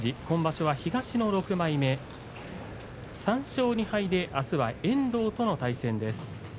今場所は東の６枚目３勝２敗で、あすは遠藤との対戦です。